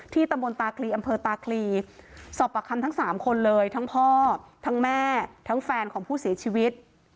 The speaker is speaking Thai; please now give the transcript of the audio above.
ตำบลตาคลีอำเภอตาคลีสอบประคำทั้ง๓คนเลยทั้งพ่อทั้งแม่ทั้งแฟนของผู้เสียชีวิต